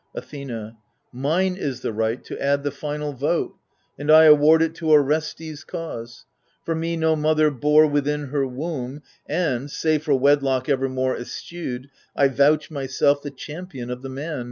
Athena Mine is the right to add the final vote, And I award it to Orestes' cause. For me no mother bore within her womb, And, save for wedlock evermore eschewed, I vouch myself the champion of the man.